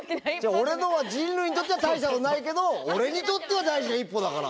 俺のは「人類にとっては大したことないけど俺にとっては大事な１歩」だから。